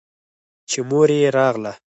چې مور يې راغله.